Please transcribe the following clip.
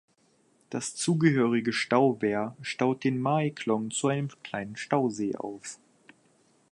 Das zugehörige Stauwehr staut den Mae Klong zu einem kleinen Stausee auf.